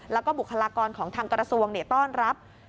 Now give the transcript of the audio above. แล้วก็บุคลากรของทางกระทรวงต้อนรับ